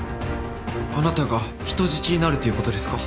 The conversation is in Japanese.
あなたが人質になるという事ですか？